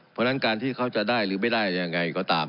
เพราะฉะนั้นการที่เขาจะได้หรือไม่ได้ยังไงก็ตาม